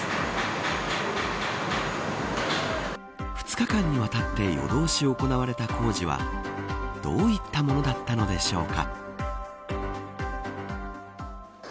２日間にわたって夜通し行われた工事はどういったものだったのでしょうか。